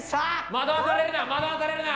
まどわされるな！